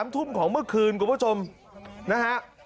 ๓ทุ่มของเมื่อคืนคุณผู้ชมนะฮะ